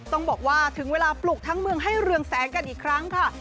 ต้องบอกว่าถึงเวลาปลูกทั้งเมืองให้เรืองแสงกันอีกครั้งค่ะ